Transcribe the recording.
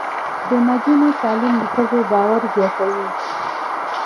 د نجونو تعلیم د ښځو باور زیاتوي.